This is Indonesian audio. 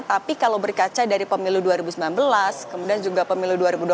tapi kalau berkaca dari pemilu dua ribu sembilan belas kemudian juga pemilu dua ribu dua puluh